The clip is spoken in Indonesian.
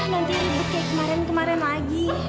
nanti kayak kemarin kemarin lagi